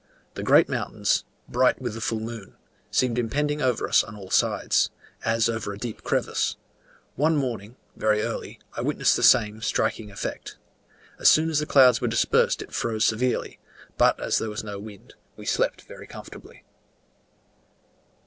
The great mountains, bright with the full moon, seemed impending over us on all sides, as over a deep crevice: one morning, very early, I witnessed the same striking effect. As soon as the clouds were dispersed it froze severely; but as there was no wind, we slept very comfortably.